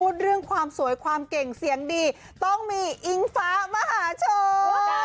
พูดเรื่องความสวยความเก่งเสียงดีต้องมีอิงฟ้ามหาชน